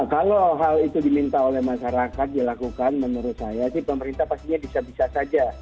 kalau hal itu diminta oleh masyarakat dilakukan menurut saya sih pemerintah pastinya bisa bisa saja